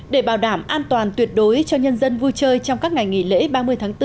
để bảo đảm an toàn tuyệt đối cho nhân dân vui chơi trong các ngày nghỉ lễ ba mươi tháng bốn